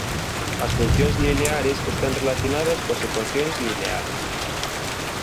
As funcións lineares están relacionadas coas ecuacións lineares.